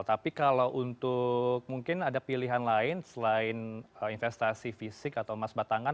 tapi kalau untuk mungkin ada pilihan lain selain investasi fisik atau emas batangan